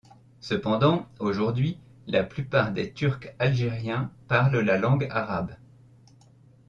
Cependant, aujourd'hui, la plupart des Turcs algériens parlent la langue arabe.